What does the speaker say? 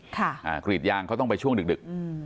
อ่ากรีดยางเขาต้องไปช่วงดึกดึกอืม